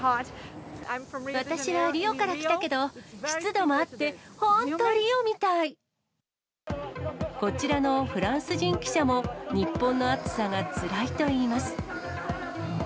私はリオから来たけど、こちらのフランス人記者も、日本の暑さがつらいといいます。